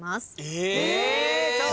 え！